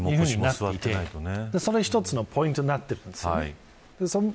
それが一つのポイントになってきます。